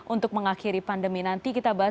untuk mengakhiri pandemi nanti kita bahas